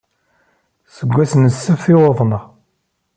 Seg wass n ssebt i uḍneɣ.